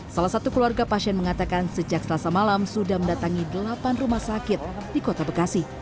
salah satu keluarga pasien mengatakan sejak selasa malam sudah mendatangi delapan rumah sakit di kota bekasi